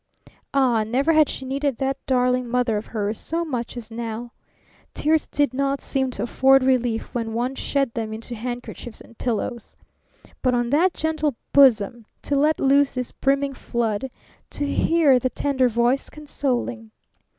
Ah, never had she needed that darling mother of hers so much as now. Tears did not seem to afford relief when one shed them into handkerchiefs and pillows. But on that gentle bosom, to let loose this brimming flood, to hear the tender voice consoling!